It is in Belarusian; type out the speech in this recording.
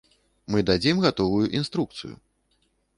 Мы дадзім гатовую інструкцыю.